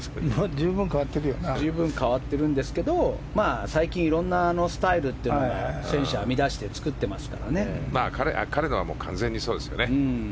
変わってるんですけど最近、いろんなスタイルを選手が編み出して彼のは完全にそうですね。